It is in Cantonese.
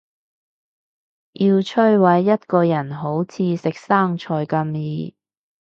要摧毁一個人好似食生菜咁易